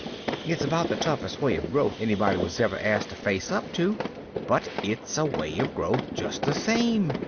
It's about the toughest way of growth anybody was ever asked to face up to, but it's a way of growth just the same.